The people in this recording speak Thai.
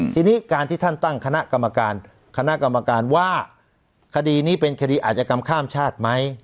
ทีนี้การที่ท่านตั้งคณะกรรมการคณะกรรมการว่าคดีนี้เป็นคดีอาจกรรมข้ามชาติไหม